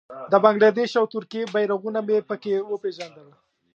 د بنګله دېش او ترکیې بېرغونه مې په کې وپېژندل.